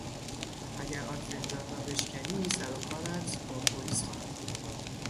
اگر آن فنجان را بشکنی سرو کارت با پلیس خواهد بود.